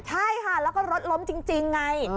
ใช่ค่ะแล้วก็รถล้มจริงไง